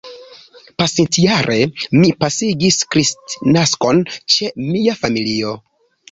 Pasintjare mi pasigis Kristnaskon ĉe mia familio.